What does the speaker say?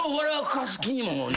かす気にも。